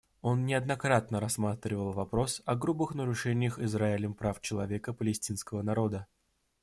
Он неоднократно рассматривал вопрос о грубых нарушениях Израилем прав человека палестинского народа.